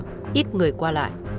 trong đêm ít người qua lại